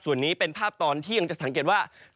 ส่วนนี้เป็นภาพตอนเที่ยงจะสังเกตว่า